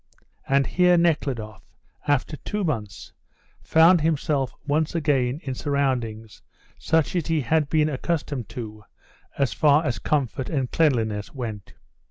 And here Nekhludoff, after two months, found himself once again in surroundings such as he had been accustomed to as far as comfort and cleanliness went.